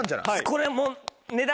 これもう値段はね。